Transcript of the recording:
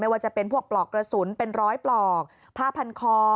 ว่าจะเป็นพวกปลอกกระสุนเป็นร้อยปลอกผ้าพันคอ